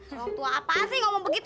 waktu apa sih ngomong begitu